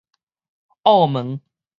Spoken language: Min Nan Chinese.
澳門